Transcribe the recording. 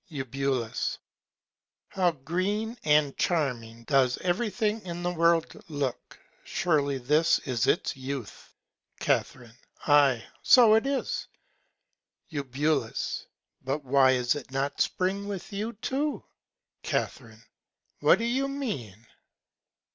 Eu. How green and charming does every Thing in the World look! surely this is its Youth. Ca. Ay, so it is. Eu. But why is it not Spring with you too? Ca. What do you mean?